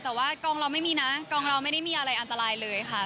แต่ว่ากองเราไม่มีนะกองเราไม่ได้มีอะไรอันตรายเลยค่ะ